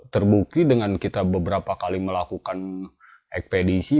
terbukti dengan kita beberapa kali melakukan ekspedisi